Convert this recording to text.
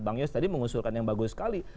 bang yos tadi mengusulkan yang bagus sekali